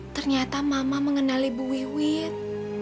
ternyata mama mengenali bu wiwit